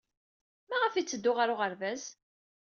Maɣef ay yetteddu ɣer uɣerbaz?